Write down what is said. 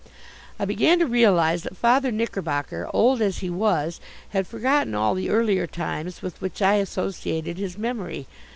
I began to realize that Father Knickerbocker, old as he was, had forgotten all the earlier times with which I associated his memory.